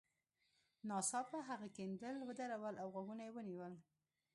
ناڅاپه هغه کیندل ودرول او غوږونه یې ونیول